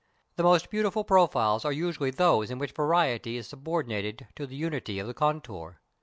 The most beautiful profiles are usually those in which variety is subordinated to the unity of the contour.